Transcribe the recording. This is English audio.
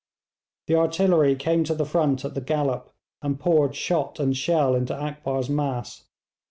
The artillery came to the front at the gallop, and poured shot and shell into Akbar's mass.